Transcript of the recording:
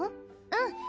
うん。